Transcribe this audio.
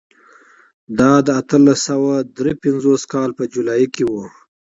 دا د اتلس سوه درې پنځوس کال په جولای کې و.